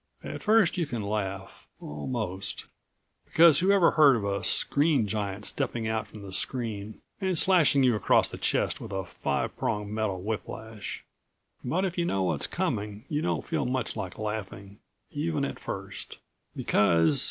At first you can laugh, almost, because who ever heard of a screen giant stepping out from the screen and slashing you across the chest with a five pronged metal whiplash? But if you know what's coming you don't feel much like laughing, even at first. Because